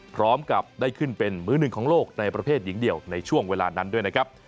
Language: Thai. พร้อมกับได้ขึ้นเป็นมือหนึ่งของโลกในประเภทหญิงเดียวในช่วงเวลานั้นด้วยนะครับ